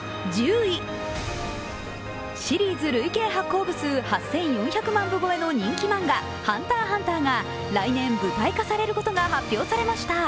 シリーズ累計発行部数８４００万部超えの人気漫画「ＨＵＮＴＥＲ×ＨＵＮＴＥＲ」が来年舞台化されることが発表されました。